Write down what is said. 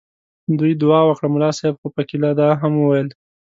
دوی دعا وکړه ملا صاحب خو پکې لا دا هم وویل.